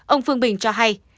ông phương bình cho hay